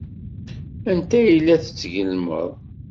Anta ay la d-tgellmed?